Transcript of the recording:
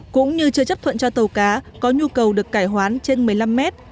cũng như chưa chấp thuận cho tàu cá có nhu cầu được cải hoán trên một mươi năm mét